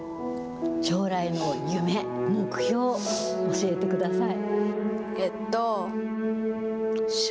将来の夢、目標を教えてください。